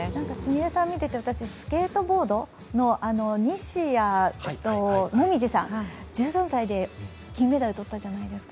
菫さん見てて、スケートボードの西矢椛さん、１３歳で金メダルとったじゃないですか。